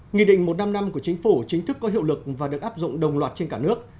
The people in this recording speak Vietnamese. nghị định một trăm năm mươi năm của chính phủ chính thức có hiệu lực và được áp dụng đồng loạt trên cả nước